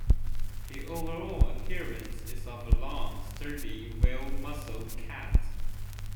The overall appearance is of a long, sturdy, well-muscled cat.